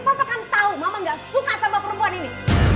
bapak kan tahu mama gak suka sama perempuan ini